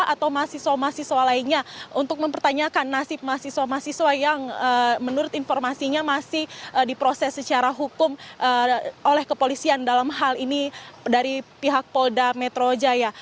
atau mahasiswa mahasiswa lainnya untuk mempertanyakan nasib mahasiswa mahasiswa yang menurut informasinya masih diproses secara hukum oleh kepolisian dalam hal ini dari pihak polda metro jaya